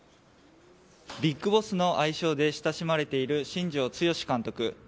ビッグボスの愛称で親しまれている新庄剛志監督。